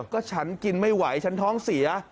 ก็ฉันกินไม่ไหวฉันท้องเสีย